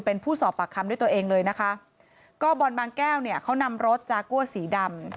เป็นผู้สอบปากคำด้วยตัวเองเลยนะคะก็บอลบางแก้วเนี่ยเขานำรถจากัวสีดำ